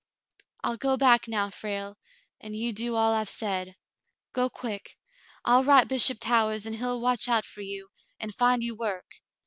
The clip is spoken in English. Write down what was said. "I'll go back now, Frale, and you do all I've said. Go quick. I'll write Bishop Towahs, and he'll watch out for you, and find you work.